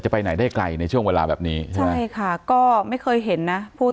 ไปไหนได้ไกลในช่วงเวลาแบบนี้ใช่ไหมใช่ค่ะก็ไม่เคยเห็นนะพูด